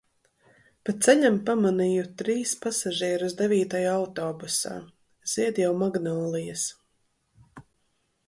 Pa ceļam pamanīju trīs pasažierus devītajā autobusā. Zied jau magnolijas.